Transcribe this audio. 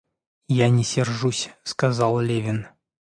Я не сержусь, — сказал Левин.